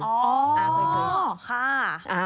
อ๋อค่ะ